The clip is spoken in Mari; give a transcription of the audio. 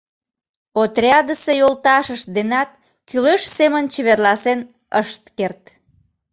Отрядысе йолташышт денат кӱлеш семын чеверласен ышт керт.